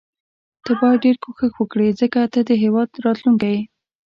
ته باید ډیر کوښښ وکړي ځکه ته د هیواد راتلوونکی یې.